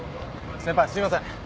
先輩すいません。